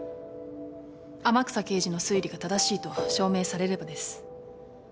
天草刑事の推理が正しいと証明されればです。